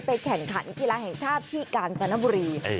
แข่งขันกีฬาแห่งชาติที่กาญจนบุรี